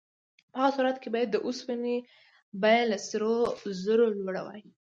په هغه صورت کې باید د اوسپنې بیه له سرو زرو لوړه وای.